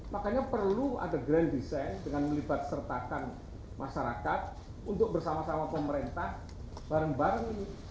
makanya perlu ada grand design dengan melibatkan masyarakat untuk bersama sama pemerintah bareng bareng